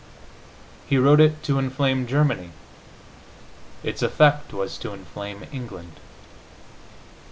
He wrote it to inflame Germany; its effect was to inflame England....